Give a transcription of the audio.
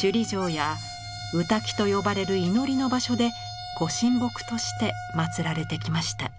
首里城やウタキと呼ばれる祈りの場所で御神木としてまつられてきました。